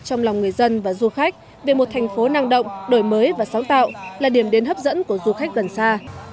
trong lòng người dân và du khách về một thành phố năng động đổi mới và sáng tạo là điểm đến hấp dẫn của du khách gần xa